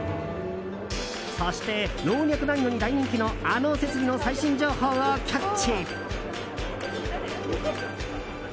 そして、老若男女に大人気のあの設備の最新情報をキャッチ。